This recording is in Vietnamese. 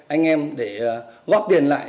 anh em để góp tiền lại